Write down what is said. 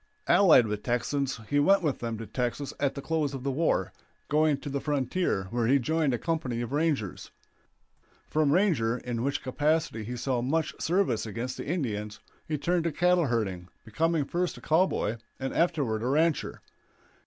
Allied with Texans he went with them to Texas at the close of the war, going to the frontier, where he joined a company of rangers. From ranger, in which capacity he saw much service against the Indians, he turned to cattle herding, becoming first a cowboy and afterward a rancher.